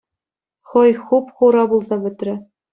Хӑй хуп-хура пулса пӗтрӗ.